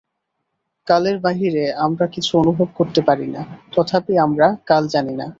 কালের বাহিরে আমরা কিছু অনুভব করিতে পারি না, তথাপি আমরা কাল জানি না।